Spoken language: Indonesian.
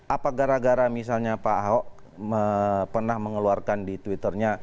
apa gara gara misalnya pak ahok pernah mengeluarkan di twitternya